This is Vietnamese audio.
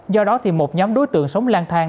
do đó thì một nhóm đối tượng sống lan thang